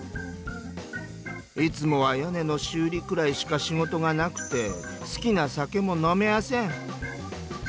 「いつもは屋根の修理くらいしか仕事がなくて好きな酒も飲めやせん」。